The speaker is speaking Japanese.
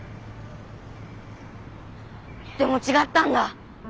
でも違ったんだ。